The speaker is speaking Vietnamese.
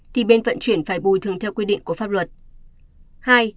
thì bên vận chuyển phải bồi thường theo quy định của pháp luật